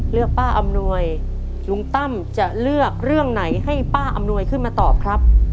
เลือกป้าอำนวยลุงตั้มจะเลือกเรื่องไหนให้ป้าอำนวยขึ้นมาตอบครับ